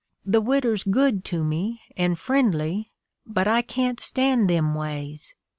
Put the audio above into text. The widder's good to me, and friendly; but I can't stand them ways.